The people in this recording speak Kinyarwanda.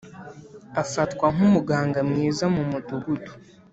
afatwa nkumuganga mwiza mumudugudu.